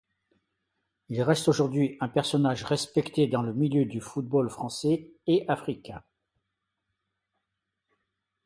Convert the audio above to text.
Il reste aujourd'hui un personnage respecté dans le milieu du football français et africain.